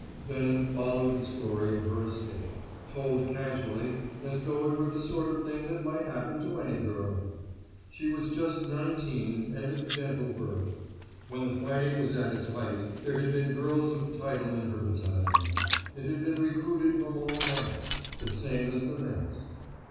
Then followed the story of her escape, told casually, as though it were the sort of thing that might happen to any girl. She was just nineteen and of gentle birth. When the fighting was at its height, there had been girls of title in her battalion; it had been recruited from all ranks, the same as the men's.